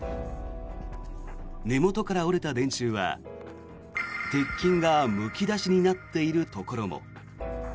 根元から折れた電柱は鉄筋がむき出しになっているところも。